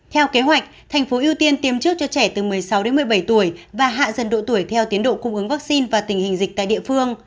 theo kế hoạch tp hcm tiêm trước cho trẻ từ một mươi sáu đến một mươi bảy tuổi và hạ dần độ tuổi theo tiến độ cung ứng vaccine và tình hình dịch tại địa phương